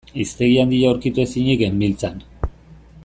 Hiztegi handia aurkitu ezinik genbiltzan.